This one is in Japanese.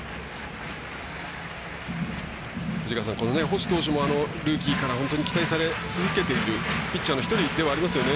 星投手もルーキーから本当に期待され続けているピッチャーの１人ではありますよね。